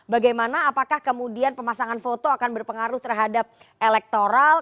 bagaimana apakah kemudian pemasangan foto akan berpengaruh terhadap elektoral